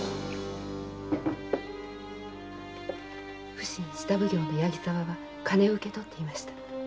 普請下奉行・八木沢は金を受け取っていました。